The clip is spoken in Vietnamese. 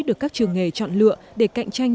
được các trường nghề chọn lựa để cạnh tranh